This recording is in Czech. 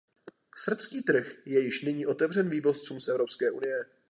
Srbský trh je již nyní otevřen vývozcům z Evropské unie.